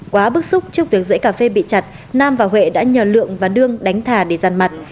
quá bức xúc trước việc rẫy cà phê bị chặt nam và huệ đã nhờ lượng và đương đánh thà để giàn mặt